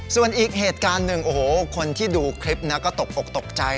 ส่วนอีกเหตุการณ์หนึ่งโอ้โหคนที่ดูคลิปนะก็ตกอกตกใจ